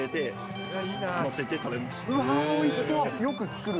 うわ、おいしそう。